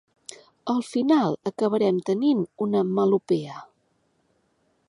Al final acabarem tenint una melopea.